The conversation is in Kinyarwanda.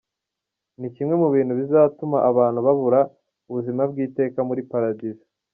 Ni kimwe mu bintu bizatuma abantu babura ubuzima bw’iteka muli Paradizo.